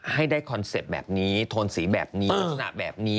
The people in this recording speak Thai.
ให้ได้คอนเซ็ปต์แบบนี้โทนสีแบบนี้ลักษณะแบบนี้